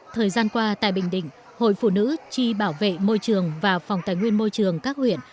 thời gian qua tại bình định hội phụ nữ tri bảo vệ môi trường và phòng tài nguyên môi trường các huyện